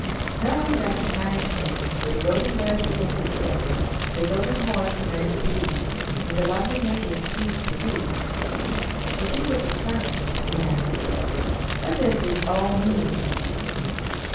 No one recognized him, but the golden bird began to sing, and the golden horse commenced to eat, and the lovely maiden ceased to weep. The King was astonished and asked: "What does this all mean?"